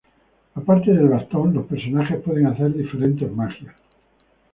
Aparte del bastón, los personajes pueden hacer diferentes magias.